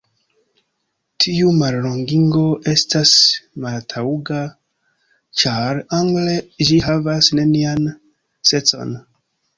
Tiu mallongigo estas maltaŭga ĉar angle ĝi havas nenian sencon.